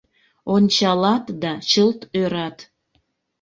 Ончалат да чылт ӧрат.